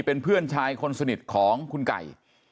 เป็นเพื่อนชายคนสนิทของคุณไก่